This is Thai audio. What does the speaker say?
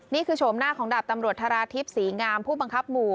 นี่คือโฉมหน้าของดาบตำรวจธราชิบศรีงามผู้บังคับหมู่